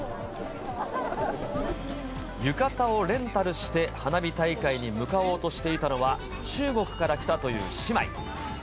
浴衣をレンタルして花火大会に向かおうとしていたのは、中国から来たという姉妹。